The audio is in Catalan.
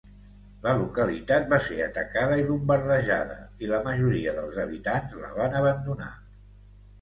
La localitat va ser atacada i bombardejada i la majoria dels habitants la van abandonar.